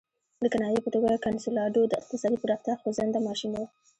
د کنایې په توګه کنسولاډو د اقتصادي پراختیا خوځنده ماشین وو.